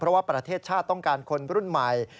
เพราะว่าประเทศชาติต้องการคนรุ่นใหม่